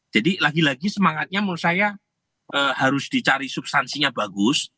jadi lagi lagi semangatnya menurut saya harus dicari substansinya bagus